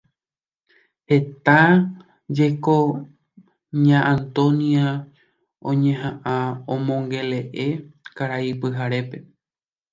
Heta jeko Ña Antonia oñeha'ã omongele'e Karai Pyharépe.